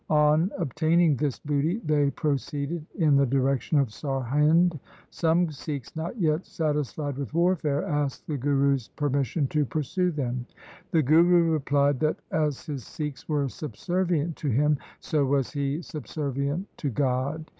On obtaining this booty they proceeded in the direction of Sarhind. Some Sikhs not yet satisfied with warfare asked the Guru's per mission to pursue them. The Guru replied that as his Sikhs were subservient to him, so was he sub servient to God.